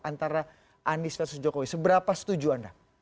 antara anies versus jokowi seberapa setuju anda